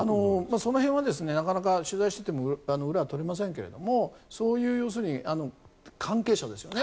その辺は取材していても裏は取れませんがそういう要するに関係者ですよね。